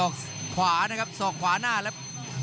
กรรมการเตือนทั้งคู่ครับ๖๖กิโลกรัม